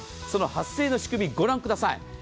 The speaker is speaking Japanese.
その発生の仕組みを御覧ください。